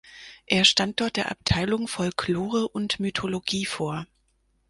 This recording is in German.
Er stand dort der Abteilung Folklore und Mythologie vor.